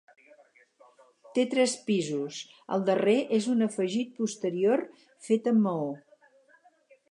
Té tres pisos; el darrer és un afegit posterior fet amb maó.